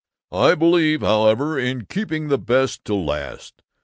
"'I believe, however, in keeping the best to the last.